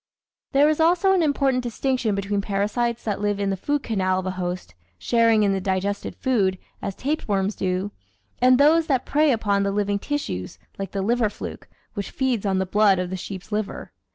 There is also an important distinction between parasites that live in the food canal of a host, sharing in the digested food, as tape worms do, and those that prey upon the living tissues like the liver fluke, which feeds on the blood of the sheep's liver.